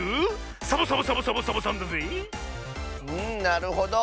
なるほど。